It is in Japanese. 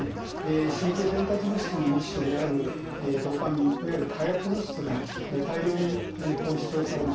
神経伝達物質の一種であるドパミンいわゆる快楽物質が大量に放出をされます。